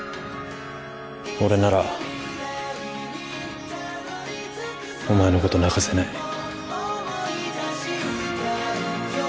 俺ならお前のこと泣かせない